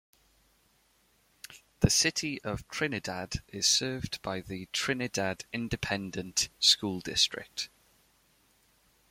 The City of Trinidad is served by the Trinidad Independent School District.